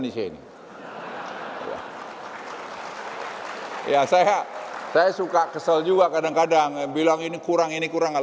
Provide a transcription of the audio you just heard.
saya suka kesel juga kadang kadang bilang ini kurang ini kurang